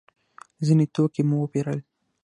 ځینې توکي مو وپېرل.